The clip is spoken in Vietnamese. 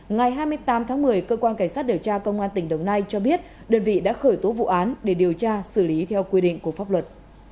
ngày hai mươi tám tháng một mươi cơ quan cảnh sát điều tra công an tỉnh đồng nai cho biết đơn vị đã khởi tố vụ án để điều tra xử lý theo quy định của pháp luật